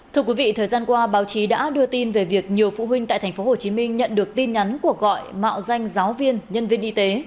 thưa quý vị thời gian qua báo chí đã đưa tin về việc nhiều phụ huynh tại tp hcm nhận được tin nhắn của gọi mạo danh giáo viên nhân viên y tế